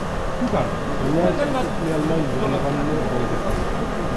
بىر نەچچە كېچە ئۇخلىيالماي يىغلىغانمۇ بولدى.